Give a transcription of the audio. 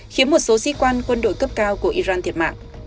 khiến một số sĩ quan quân đội cấp cao của iran thiệt mạng